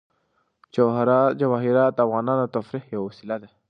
جواهرات د افغانانو د تفریح یوه وسیله ده.